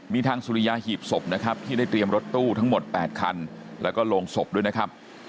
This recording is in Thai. มีทางสุริยาหีบศพนะครับที่ได้เตรียมรถตู้ทั้งหมด๘คันแล้วก็โรงศพด้วยนะครับ